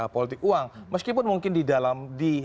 politik uang meskipun mungkin di dalam di